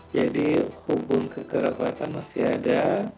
jadi hubung kegerapan masih ada